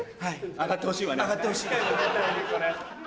上がってほしいです。